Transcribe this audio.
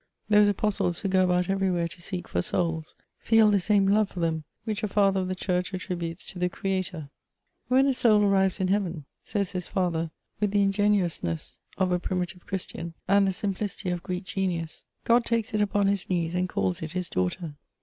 * Those ^Mstles who go about everywhere to seek for souls, feel the same love for them, which a father of the church attributes to the Creator :When a soul arrives in Heaven," says this father, with the ingenuousness of a' primitive Christian, and the simplidty of Greek genius, *' God takes it upon his knees and calls it his. daughter."